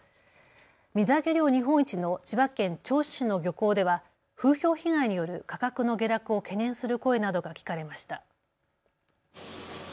水揚げ量日本一の千葉県銚子市の漁港では風評被害による価格の下落を懸念する声などが聞かれました。